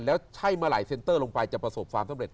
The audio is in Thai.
แล้วไส้มาไหลเค็นเตอร์ลงไปจะประสบความสำเร็จ